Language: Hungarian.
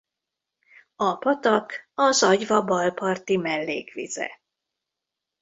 A patak a Zagyva bal parti mellékvize.